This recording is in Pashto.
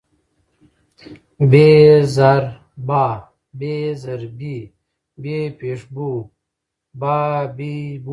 ب زر با، ب زېر بي، ب پېښ بو، با بي بو